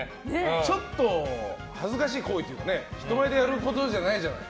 ちょっと恥ずかしい行為というか人前でやることじゃないじゃない。